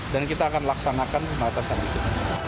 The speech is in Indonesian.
dan kita akan laksanakan pembatasan itu